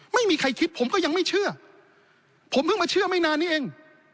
ไม่มีใครคิดผมก็ยังไม่เชื่อผมเพิ่งมาเชื่อไม่นานนี้เอง